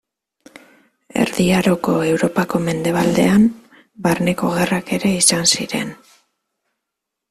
Erdi Aroko Europako mendebaldean barneko gerrak ere izan ziren.